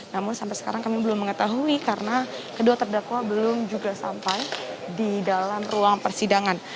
namun sampai sekarang kami belum mengetahui karena kedua terdakwa belum juga sampai di dalam ruang persidangan